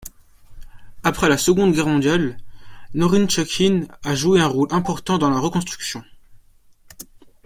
Après la seconde guerre mondiale, Norinchukin a joué un rôle important dans la reconstruction.